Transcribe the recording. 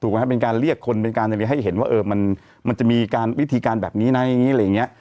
ถูกไหมครับเป็นการเรียกคนเป็นการให้เห็นว่ามันจะมีวิธีการแบบนี้นะอย่างนี้อะไรอย่างนี้